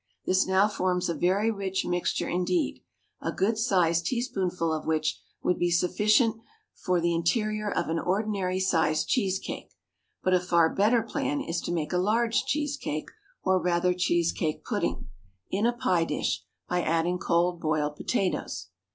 This now forms a very rich mixture indeed, a good sized teaspoonful of which would be sufficient for the interior of an ordinary sized cheese cake, but a far better plan is to make a large cheese cake, or rather cheese cake pudding, in a pie dish by adding cold boiled potatoes.